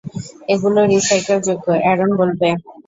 এগুলো রিসাইকেলযোগ্য, অ্যারন বলবে।